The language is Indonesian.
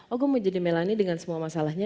oh gue mau jadi melani dengan semua masalahnya